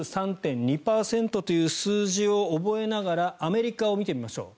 ２３．２％という数字を覚えながらアメリカを見てみましょう。